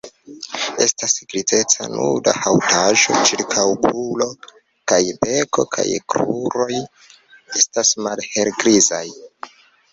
Estas grizeca nuda haŭtaĵo ĉirkaŭokula kaj beko kaj kruroj estas malhelgrizaj.